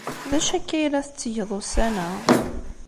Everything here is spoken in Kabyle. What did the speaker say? D acu akka ay la tettgeḍ ussan-a?